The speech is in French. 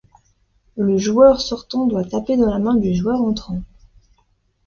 Le joueur sortant doit taper dans la main du joueur entrant.